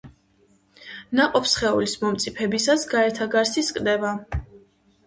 ნაყოფსხეულის მომწიფებისას გარეთა გარსი სკდება.